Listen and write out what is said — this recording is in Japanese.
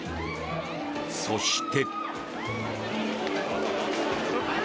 そして。